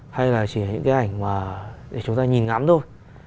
hay là chỉ những cái ảnh mà để chúng ta nhìn ngắm thôi